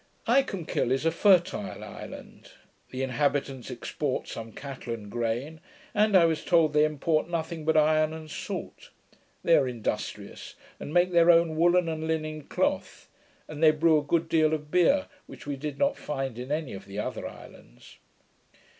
Icolmkill is a fertile island. The inhabitants export some cattle and grain; and I was told, they import nothing but iron and salt. They are industrious, and make their own woollen and linen cloth; and they brew a good deal of beer, which we did not find in any of the other islands.